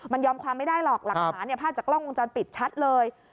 มันยอมความไม่ได้หรอกหลักฐานเนี่ยภาพจากกล้องวงจรปิดชัดเลย